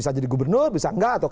bisa jadi gubernur bisa enggak atau